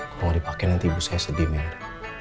kalau gak dipake nanti ibu saya sedih mir